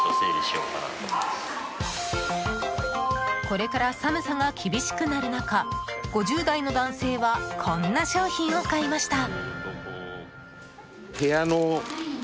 これから寒さが厳しくなる中５０代の男性はこんな商品を買いました。